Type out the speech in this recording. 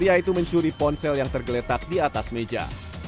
pria itu mencuri ponsel yang tergeletak di atas meja